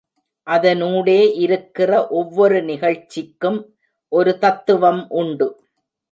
அதனூடே இருக்கிற ஒவ்வொரு நிகழ்ச்சிக்கும் ஒரு தத்துவம் உண்டு.